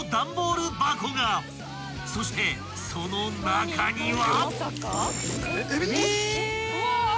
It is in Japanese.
［そしてその中には］